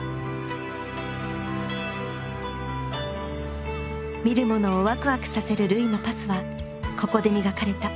見る者をわくわくさせる瑠唯のパスはここで磨かれた。